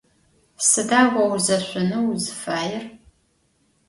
Sıda vo vuzeşsoneu vuzıfaêr?